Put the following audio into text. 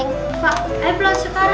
pas puluh jadi abis kan